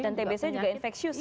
dan tbc juga infeksius kan